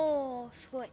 すごい。